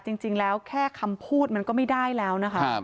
จริงแล้วแค่คำพูดมันก็ไม่ได้แล้วนะคะ